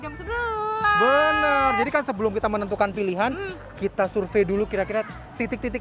jam sebelas bener jadi kan sebelum kita menentukan pilihan kita survei dulu kira kira titik titik